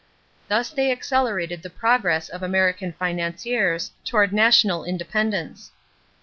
Thus they accelerated the progress of American financiers toward national independence.